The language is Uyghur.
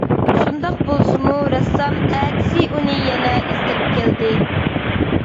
شۇنداق بولسىمۇ رەسسام ئەتىسى ئۇنى يەنە ئىزدەپ كەلدى.